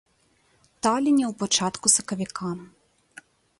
Таліне ў пачатку сакавіка.